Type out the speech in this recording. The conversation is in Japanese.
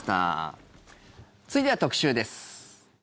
続いては特集です。